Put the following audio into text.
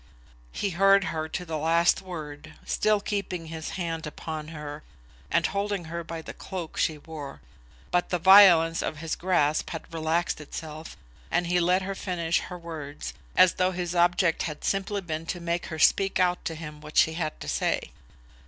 He heard her to the last word, still keeping his hand upon her, and holding her by the cloak she wore; but the violence of his grasp had relaxed itself, and he let her finish her words, as though his object had simply been to make her speak out to him what she had to say.